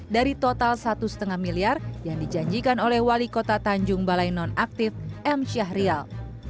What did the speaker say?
dari total satu lima miliar yang dijanjikan oleh wali kota tanjung balai non aktif m syahrial